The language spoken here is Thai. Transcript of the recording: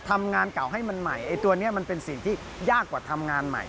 ทำงานเก่าให้มันใหม่ไอ้ตัวนี้มันเป็นสิ่งที่ยากกว่าทำงานใหม่